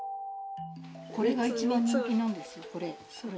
これが一番人気なんですよ。